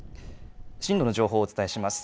震度の情報をお伝えします。